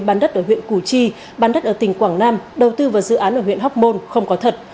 bán đất ở huyện củ chi bán đất ở tỉnh quảng nam đầu tư vào dự án ở huyện hóc môn không có thật